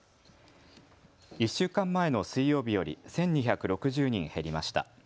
１週間前の水曜日より１２６０人減りました。